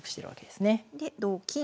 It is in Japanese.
で同金。